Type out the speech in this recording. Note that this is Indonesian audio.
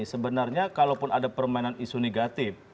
sebenarnya kalaupun ada permainan isu negatif